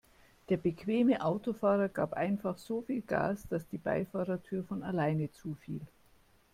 Der bequeme Autofahrer gab einfach so viel Gas, dass die Beifahrertür von alleine zufiel.